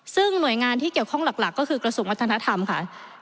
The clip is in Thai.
ซึ่งหน่วยงานที่เกี่ยวข้องหลักก็คือกระทรวงวัฒนธรรมค่ะ